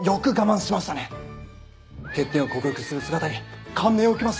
欠点を克服する姿に感銘を受けました。